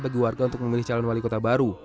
bagi warga untuk memilih calon wali kota baru